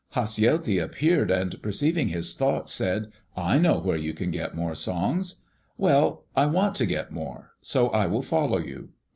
Hasjelti appeared and perceiving his thoughts, said, "I know where you can get more songs." "Well, I want to get more. So I will follow you."